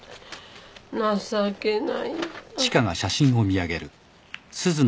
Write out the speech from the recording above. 情けない。